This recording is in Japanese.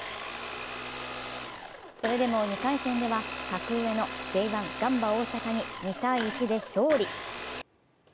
それでも２回戦では、格上のＪ１・ガンバ大阪に２−１で勝利。